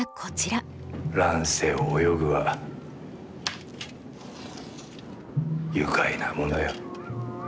乱世を泳ぐは愉快なものよ。